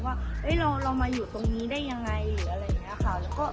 หรือมองว่าเรามาอยู่ตรงนี้ได้ยังไงอะไรอย่างเงี้ยค่ะ